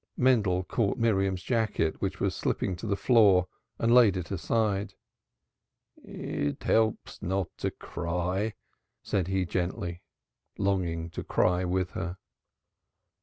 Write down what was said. Mendel caught Miriam's jacket which was slipping to the floor and laid it aside. "It helps not to cry," said he gently, longing to cry with her.